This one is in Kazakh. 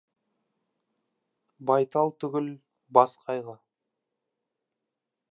Байтал түгіл, бас қайғы.